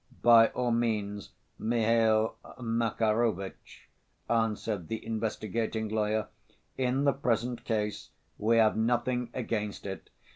"By all means, Mihail Makarovitch," answered the investigating lawyer. "In the present case we have nothing against it."